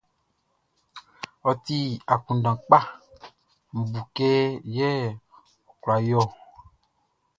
Ôti akunndan kpa, Nʼbu kɛ ye kula yo.